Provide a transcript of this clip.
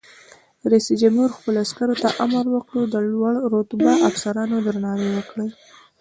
رئیس جمهور خپلو عسکرو ته امر وکړ؛ د لوړ رتبه افسرانو درناوی وکړئ!